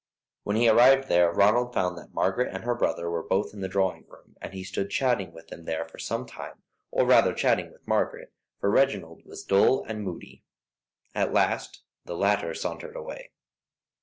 When he arrived there, Ronald found that Margaret and her brother were both in the drawing room, and he stood chatting with them there for some time, or rather chatting with Margaret, for Reginald was dull and moody. At last the latter sauntered away.